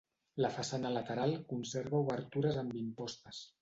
La façana lateral conserva obertures amb impostes.